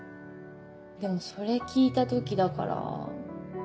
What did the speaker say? でもそれ聞いた時だから。